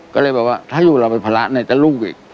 ก็เลยบอกว่าถ้าอยู่เราเป็นภาระไหนจะลูกอีก